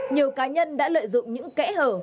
nhiều cá nhân đã lợi dụng những kẽ hở